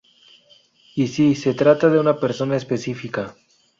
Y, sí, se trata de una persona específica.